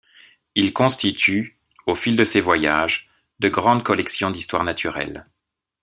Il constitue, au fil de ses voyages, de grandes collections d’histoire naturelle.